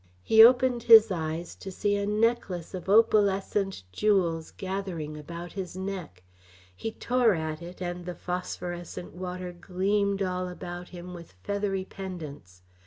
He opened his eyes to see a necklace of opalescent jewels gathering about his neck; he tore at it and the phosphorescent water gleamed all about him with feathery pendants.